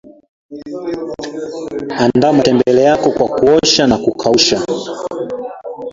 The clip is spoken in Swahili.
andaa matembele yako kwa kuosha na kukausha